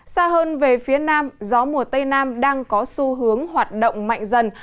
xa hơn về phía nam gió mùa tây nam đang có xu hướng hoạt động mạnh dần